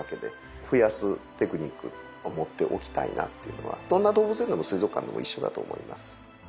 増やすテクニックを持っておきたいなっていうのはどんな動物園でも水族館でも一緒だと思います。